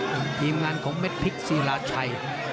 พิมรย์งานของเม็ดพิคซี่ล่าชัย